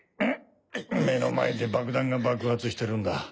目の前で爆弾が爆発してるんだ。